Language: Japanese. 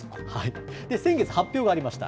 先月発表がありました。